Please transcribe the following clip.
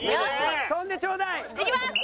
跳んでちょうだい！いきます！